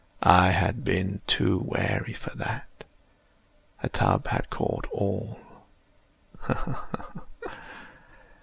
I had been too wary for that. A tub had caught all—ha! ha!